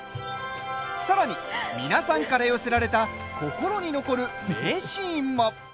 さらに、皆さんから寄せられた心に残る名シーンも！